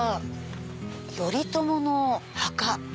「頼朝の墓」。